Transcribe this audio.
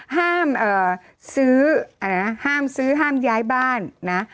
ห้ามซื้อห้ามย้ายบ้านนะ